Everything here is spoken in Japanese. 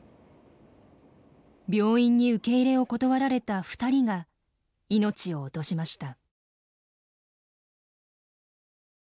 病院に受け入れを断られた２人が命を落としました。